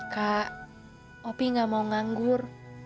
kak opi gak mau nganggur